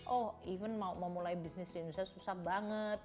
oh even mau mulai bisnis di indonesia susah banget